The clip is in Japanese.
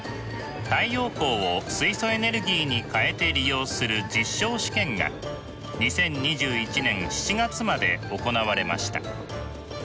太陽光を水素エネルギーに変えて利用する実証試験が２０２１年７月まで行われました。